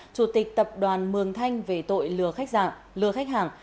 chủ tịch tập đoàn mường thanh về tội lừa khách hàng